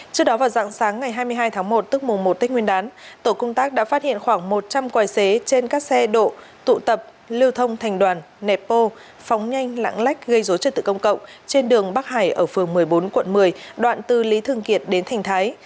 trước đó vào dạng sáng ngày hai mươi hai tháng một tức mùa một tết nguyên đán tổ công tác đã phát hiện khoảng một trăm linh còi xế trên các xe độ tụ tập lưu thông thành đoàn nẹp bô phóng nhanh lạng lách gây dối trật tự công cộng trên đường bắc hải ở phường một mươi bốn quận một mươi đoạn từ lý thương kiệt đến thành thái